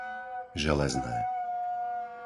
Železné